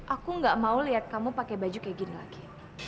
aku gak mau lihat kamu pakai baju kayak gini lagi